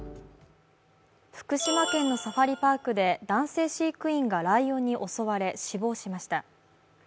福島県のサファリパークで男性飼育員がライオンに襲われ死亡しました。